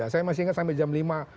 saya masih ingat sampai jam lima